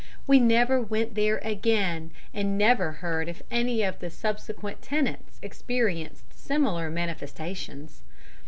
We never went there again, and never heard if any of the subsequent tenants experienced similar manifestations."